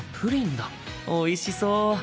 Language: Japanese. おいしそう！